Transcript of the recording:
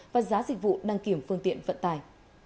và giá dịch vụ đăng kiểm phương tiện vận tải